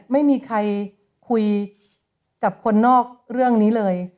ไม่มีใครคุยกับคนนอกเรื่องนี้เลย